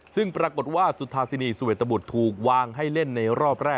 ซึ่งปรากฏว่าสุธาสินีสุเวตบุตรถูกวางให้เล่นในรอบแรก